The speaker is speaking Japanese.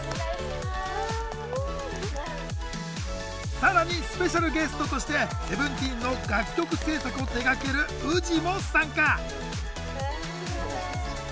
さらにスペシャルゲストとしてＳＥＶＥＮＴＥＥＮの楽曲制作を手がけるＷＯＯＺＩも参加。